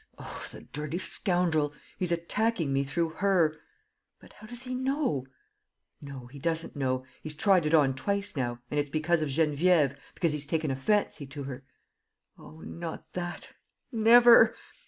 Oh, the dirty scoundrel! He's attacking me through her .... But how does he know? No, he does not know. ... He's tried it on twice now ... and it's because of Geneviève, because he's taken a fancy to her. ... Oh, not that! Never!